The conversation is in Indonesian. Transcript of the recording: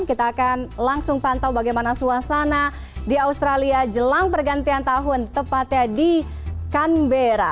kita akan langsung pantau bagaimana suasana di australia jelang pergantian tahun tepatnya di canberra